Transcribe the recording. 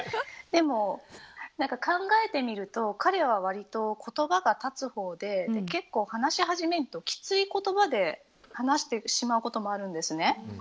でも、考えてみると彼は割と言葉が立つほうで、話し始めるときつい言葉で話してしまうこともあるんですね。